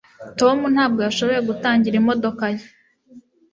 tom ntabwo yashoboye gutangira imodoka ye